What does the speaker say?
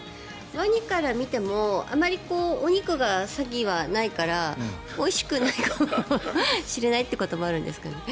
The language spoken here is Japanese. ワニから見てもあまりお肉はサギはないからおいしくないかもしれないということもあるんですかね。